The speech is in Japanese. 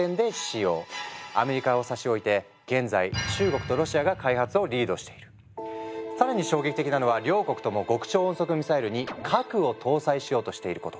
アメリカを差し置いて現在更に衝撃的なのは両国とも極超音速ミサイルに核を搭載しようとしていること。